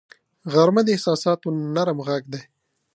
غرمه د احساساتو نرم غږ دی